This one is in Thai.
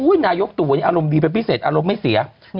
อุ๊ยนายกตู่อารมณ์ดีเป็นพิเศษอารมณ์ไม่เสีย